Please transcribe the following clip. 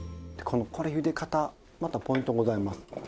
これゆで方またポイントございます。